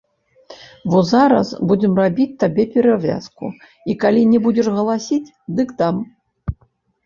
Во зараз будзем рабіць табе перавязку, і калі не будзеш галасіць, дык дам!